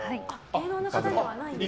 芸能の方じゃないんですか。